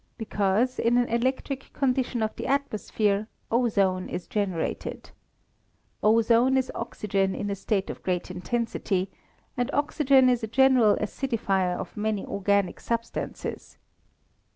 _ Because, in an electric condition of the atmosphere, ozone is generated. Ozone is oxygen in a state of great intensity; and oxygen is a general acidifier of many organic substances.